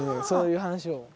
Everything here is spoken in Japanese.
そういう話を。